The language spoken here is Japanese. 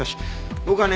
僕はね